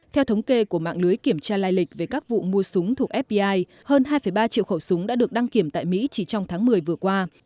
theo thống kê của mạng lưới kiểm tra lai lịch về các vụ mua súng thuộc fpi hơn hai ba triệu khẩu súng đã được đăng kiểm tại mỹ chỉ trong tháng một mươi vừa qua